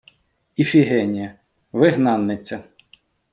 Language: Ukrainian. Іфігенія -— вигнаниця